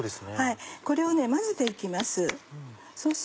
これを混ぜて行きます